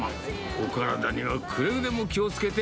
お体にはくれぐれも気をつけて、